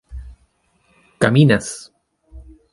caminas